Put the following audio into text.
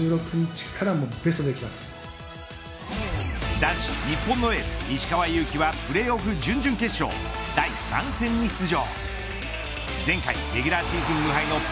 男子日本のエース、石川祐希はプレーオフ準々決勝第３戦に出場。